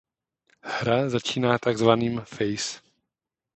Hra začíná takzvaným „Face“.